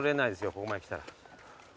ここまで来たら。